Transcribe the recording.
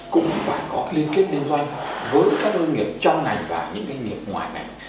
cũng phải có cái liên kết liên doanh với các doanh nghiệp trong ngành và những doanh nghiệp ngoài ngành